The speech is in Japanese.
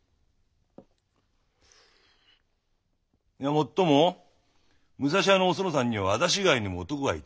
もっとも武蔵屋のおそのさんには私以外にも男がいてね。